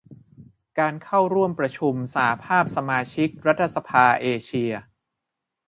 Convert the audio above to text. การเข้าร่วมประชุมสหภาพสมาชิกรัฐสภาเอเชีย